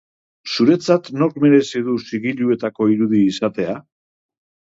Zuretzat nork merezi du zigiluetako irudi izatea?